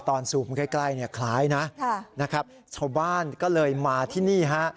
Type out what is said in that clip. ตอนซูมใกล้คล้ายนะชาวบ้านก็เลยมาที่นี่ฮะ